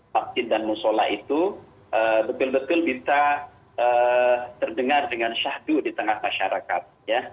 masjid dan musola itu betul betul bisa terdengar dengan syahdu di tengah masyarakat